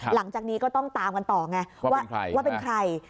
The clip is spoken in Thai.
หลังจากนี้ก็ต้องตามกันต่อไงว่าเป็นใคร